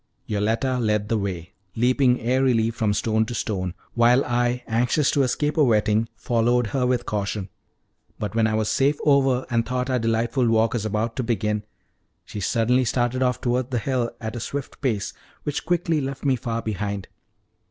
Yoletta led the way, leaping airily from stone to stone, while I, anxious to escape a wetting, followed her with caution; but when I was safe over, and thought our delightful walk was about to begin, she suddenly started off towards the hill at a swift pace, which quickly left me far behind.